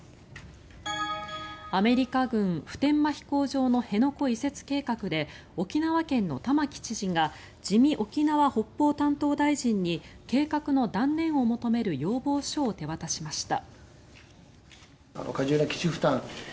アメリカ軍普天間飛行場の辺野古移設計画で沖縄県の玉城知事が自見沖縄・北方担当大臣に計画の断念を求める要望書を手渡しました。